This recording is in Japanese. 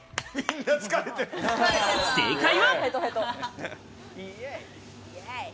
正解は。